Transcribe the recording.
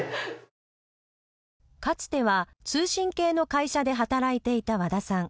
かつては通信系の会社で働いていた和田さん。